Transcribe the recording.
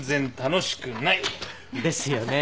ですよね。